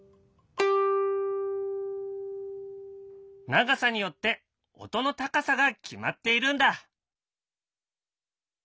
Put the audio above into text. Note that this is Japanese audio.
長さによって音の高さが決まっているんだ。